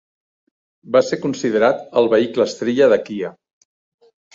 Va ser considerat el vehicle estrella de Kia.